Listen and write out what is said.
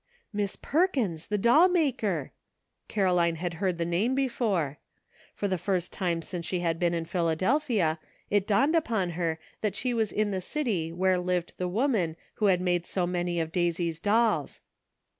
"Miss Perkins, the doll maker! " Caroline had heard that name before. For the first time since she had been in Philadelphia it dawned upon her that she was in the city where lived the woman who had made so many of Daisy's doUs.